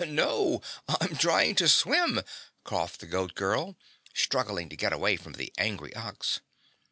"No, I'm trying to swim," coughed the Goat Girl, struggling to get away from the angry Ox.